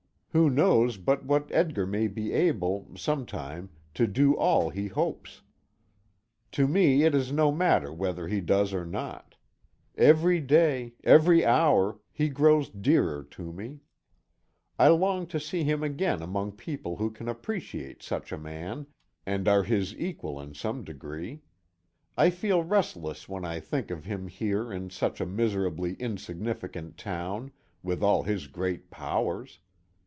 Who knows but what Edgar may be able, some time, to do all he hopes! To me it is no matter whether he does or not. Every day every hour he grows dearer to me. I long to see him again among people who can appreciate such a man, and are his equals in some degree. I feel restless when I think of him here in such a miserably insignificant town, with all his great powers.